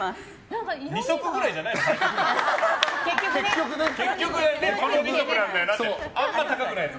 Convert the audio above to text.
２足ぐらいじゃないの履くの。